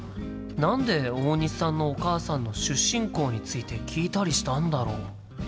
何で大西さんのお母さんの出身校について聞いたりしたんだろう？